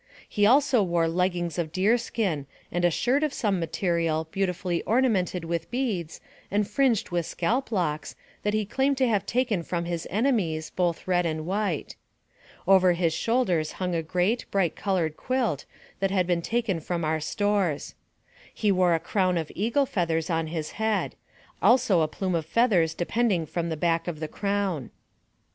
He wore also leggings of deer skin, and a shirt of the same material, beautifully ornamented with beads, and fringed with scalp locks, that he claimed to have taken from his enemies, both red and white. Over his shoulders hung a great, bright colored quilt, that had been taken from our stores. He wore a crown of eagle feathers on his head ; also a plume of feathers depending from the back of the crown.